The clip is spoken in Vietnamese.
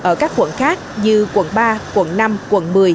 ở các quận khác như quận ba quận năm quận một mươi